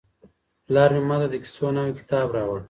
پلار مې ماته د کیسو نوی کتاب راوړ.